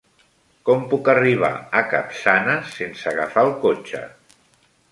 Com puc arribar a Capçanes sense agafar el cotxe?